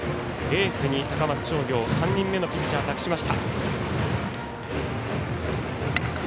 エースに高松商業３人目のピッチャー託しました。